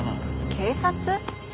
警察？